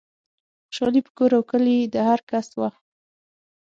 خوشحالي په کور و کلي د هرکس وه